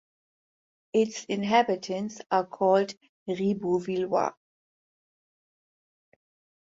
Its inhabitants are called "Ribeauvillois".